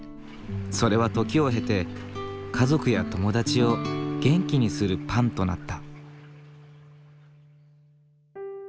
それは時を経て家族や友達を元気にするパンとなった。